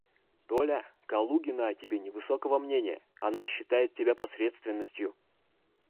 Толя, Калугина о тебе невысокого мнения, она считает тебя посредственностью.